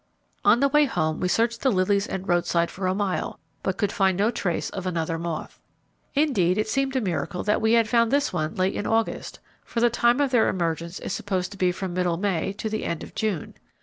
On the way home we searched the lilies and roadside for a mile, but could find no trace of another moth. Indeed, it seemed a miracle that we had found this one late in August, for the time of their emergence is supposed to be from middle May to the end of June.